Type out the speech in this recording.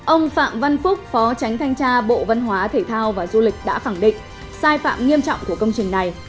ông phạm văn phúc phó tránh thanh tra bộ văn hóa thể thao và du lịch đã khẳng định sai phạm nghiêm trọng của công trình này